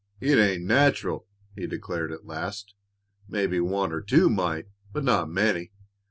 "It ain't natural!" he declared at last. "Mebbe one or two might, but not many.